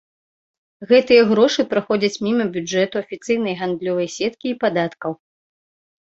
Гэтыя грошы праходзяць міма бюджэту, афіцыйнай гандлёвай сеткі і падаткаў.